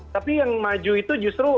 tapi yang maju itu justru